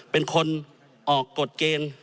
เป็นคนออกกฎเกณฑ์